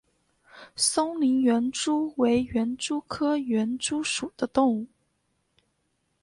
松林园蛛为园蛛科园蛛属的动物。